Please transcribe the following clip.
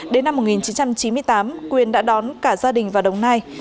đến năm một nghìn chín trăm chín mươi tám quyền đã đón cả gia đình vào đồng nai